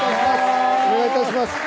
お願い致します